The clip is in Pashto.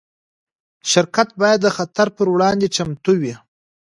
شرکت باید د خطر پر وړاندې چمتو وي.